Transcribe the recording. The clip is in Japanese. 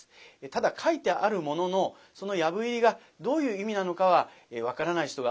ただ書いてあるもののその藪入りがどういう意味なのかは分からない人が多くなってきました。